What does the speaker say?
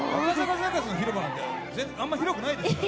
サカス広場なんてあんまり広くないですからね。